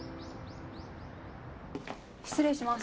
失礼します。